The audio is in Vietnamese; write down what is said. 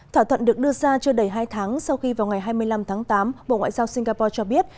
thỏa thuận được đưa ra chưa đầy hai tháng sau khi vào ngày hai mươi năm tháng tám bộ ngoại giao singapore cho biết